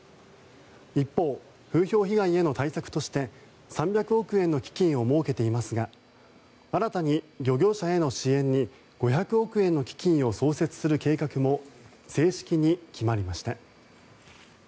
一方、風評被害への対策として３００億円の基金を設けていますが新たに漁業者への支援に５００億円の基金を創設する計画も正式に決まりました。